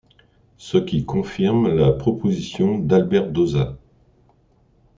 Ce qui confirme la proposition d'Albert Dauzat.